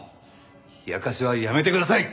冷やかしはやめてください！